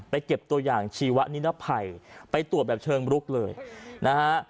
เก็บตัวอย่างชีวนิรภัยไปตรวจแบบเชิงรุกเลยนะฮะ